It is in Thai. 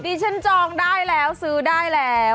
ดิฉันจองได้แล้วซื้อได้แล้ว